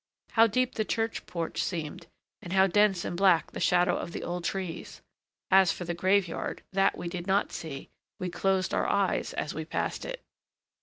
how deep the church porch seemed, and how dense and black the shadow of the old trees! As for the grave yard, that we did not see; we closed our eyes as we passed it.